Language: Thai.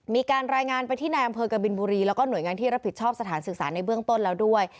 มีการรายงานไปที่นายอำเภอกบินบุรีแล้วก็หน่วยงานที่รับผิดชอบสถานศึกษาในเบื้องต้นแล้วด้วย